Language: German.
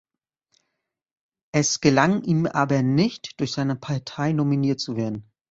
Es gelang ihm aber nicht, durch seine Partei nominiert zu werden.